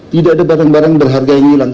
tidak ada barang barang berharga yang hilang